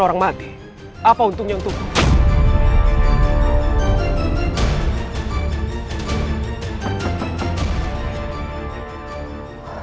orang mati apa untungnya untuk